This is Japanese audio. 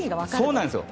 そうなんです。